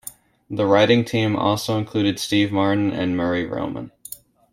The writing team also included Steve Martin and Murray Roman.